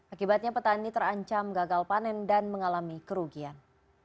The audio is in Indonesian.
akibatnya petani terancam gagal panen dan mengalami kerugian